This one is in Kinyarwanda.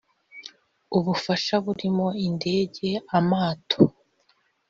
ubufasha burimo indege amato